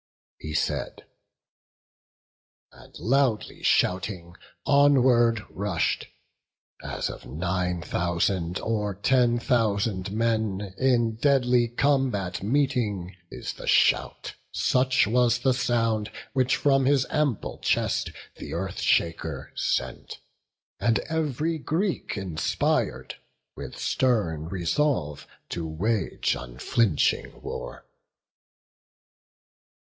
He said; and loudly shouting, onward rush'd. As of nine thousand or ten thousand men, In deadly combat meeting, is the shout; Such was the sound which from his ample chest Th' Earth shaker sent; and ev'ry Greek inspir'd With stern resolve to wage unflinching war.